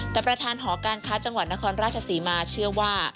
แต่ประธานหอการค้าจังหวัดนครราชศรีมาเชื่อว่า